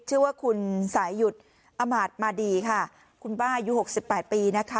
ชื่อว่าคุณสายหยุดอมาตย์มาดีค่ะคุณป้าอายุหกสิบแปดปีนะคะ